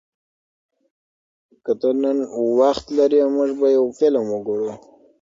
که ته نن وخت لرې، موږ به یو فلم وګورو.